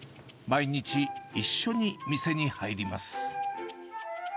毎日、一緒に店に入ります。